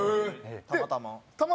たまたま。